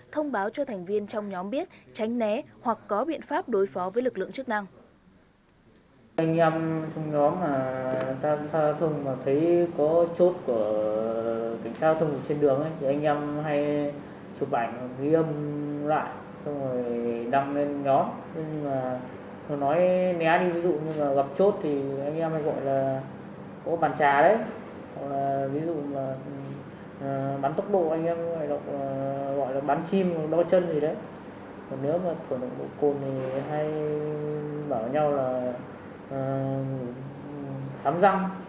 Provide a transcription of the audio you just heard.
thông báo cho thành viên trong nhóm biết tránh né hoặc có biện pháp đối phó với lực lượng chức năng